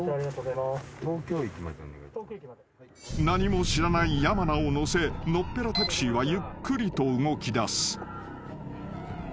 ［何も知らない山名を乗せのっぺらタクシーはゆっくりと動きだす］